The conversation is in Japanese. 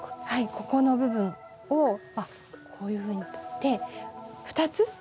ここの部分をこういうふうにとって２つ。